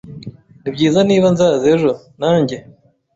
Nibyiza niba nzaza ejo, nanjye?